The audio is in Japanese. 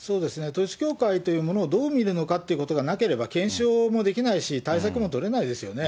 統一教会というものをどう見るのかということがなければ検証もできないし、対策も取れないですよね。